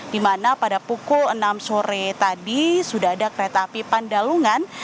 di mana pada pukul enam sore tadi sudah ada kereta api pandalungan